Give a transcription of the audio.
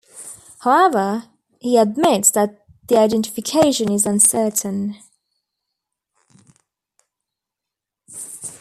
However, he admits that the identification is uncertain.